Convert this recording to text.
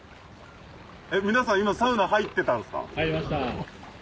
皆さん今サウナ入ってたんですか？